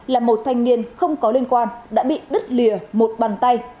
là một thanh niên không có liên quan đã bị đứt lìa một bàn tay